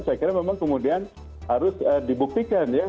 saya kira memang kemudian harus dibuktikan ya